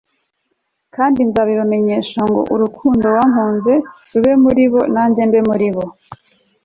kandi nzaribamenyesha ngo urukundo wankunze rube muri bo, nanjye mbe muri bo